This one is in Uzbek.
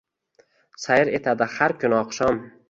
sayr etadi har kuni oqshom.